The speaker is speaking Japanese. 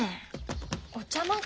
お茶まで。